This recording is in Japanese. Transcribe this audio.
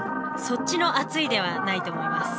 そっちの厚いではないと思います。